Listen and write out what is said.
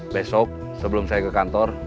besok sebelum saya ke kantor